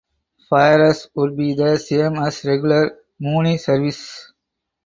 Fares would be the same as regular Muni service.